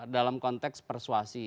dalam konteks persuasi